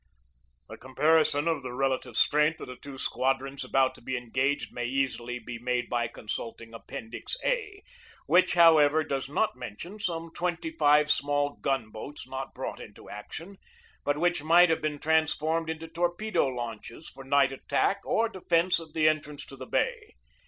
THE BATTLE OF MANILA BAY 203 A comparison of the relative strength of the two squadrons about to be engaged may easily be made by consulting Appendix A, which, however, does not mention some twenty five small gun boats not brought into action, but which might have been trans formed into torpedo launches for night attack or de fence of the entrance to the bay.